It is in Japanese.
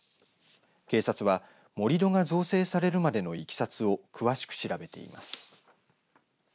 警察は盛り土が造成されるまでのいきさつを詳しく調べています。